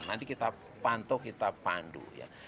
nanti kita pantau kita pandu ya